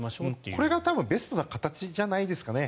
これが多分ベストな形じゃないですかね。